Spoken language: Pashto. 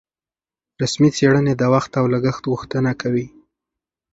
رسمي څېړنې د وخت او لګښت غوښتنه کوي.